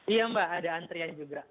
iya mbak ada antrian juga